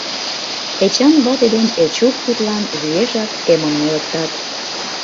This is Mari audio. Эчан вате ден Эчук тудлан виешак эмым нелыктат.